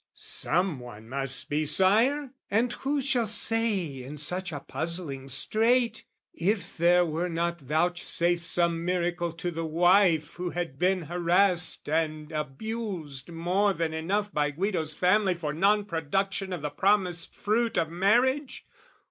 Some one must be sire: And who shall say in such a puzzling strait, If there were not vouchsafed some miracle To the wife who had been harassed and abused More than enough by Guido's family For non production of the promised fruit Of marriage?